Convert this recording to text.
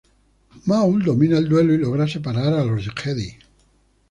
Maul domina el duelo y logra separar a los Jedi.